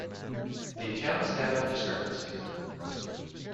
The accounts have discrepancies.